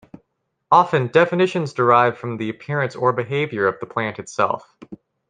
Often, definitions derive from the appearance or behavior of the plant itself.